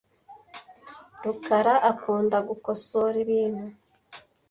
] rukara akunda gukosora ibintu .